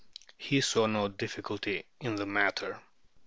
He saw no difficulty in the matter."